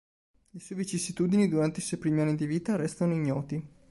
Le sue vicissitudini durante i suoi primi anni di vita restano ignoti.